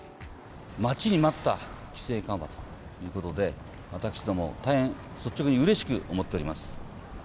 待ちに待った規制緩和ということで、私ども、大変率直にうれしく思っております。